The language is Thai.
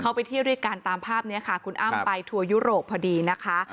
เขาไปเที่ยวด้วยกันตามภาพนี้ค่ะคุณอ้ำไปทัวร์ยุโรปพอดีนะคะ